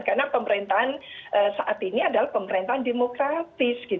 karena pemerintahan saat ini adalah pemerintahan demokratis